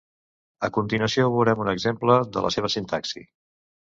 A continuació veurem un exemple de la seva sintaxi.